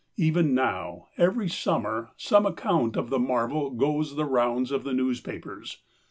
Even now, every summer, some account of the marvel goes the rounds of the newspapers.